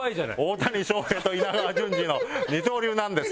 「大谷翔平と稲川淳二の二刀流なんです！」